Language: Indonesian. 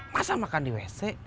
masa makan di wc